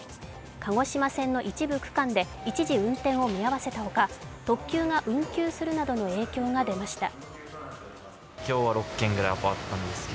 鹿児島線の一部区間で一時運転を見合わせたほか、特急が運休するなどの影響が出ました。